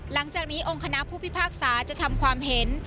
หลังจากนี้องค์คณะผู้พิพากษาจะทำความเห็น